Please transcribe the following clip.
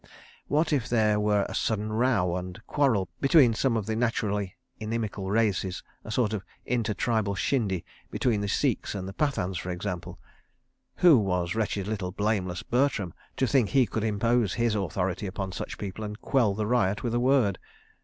What if there were a sudden row and quarrel between some of the naturally inimical races—a sort of inter tribal shindy between the Sikhs and the Pathans, for example? Who was wretched little "Blameless Bertram," to think he could impose his authority upon such people and quell the riot with a word?